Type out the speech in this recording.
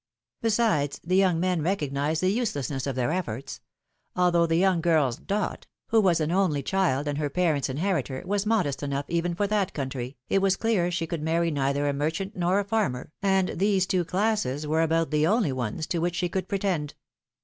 Besides, the young men recognized the uselessness of their efforts ; although the young girl's dot^ who was an only child and her parents' inheritor, was modest enough even for that country, it was clear she would marry neither a merchant nor a farmer, and these two classes were about the only ones to which she could pretend.